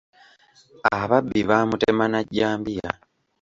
Ababbi baamutema na jjambiya.